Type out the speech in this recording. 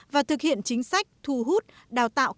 và thực hiện chính sách thu hút đào tạo cao đẳng